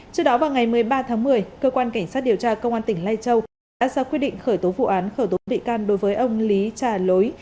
trước đó vào ngày một mươi ba tháng một mươi cơ quan cảnh sát điều tra công an tỉnh lai châu đã ra quyết định khởi tố vụ án khởi tố bị can đối với ông lý trà lối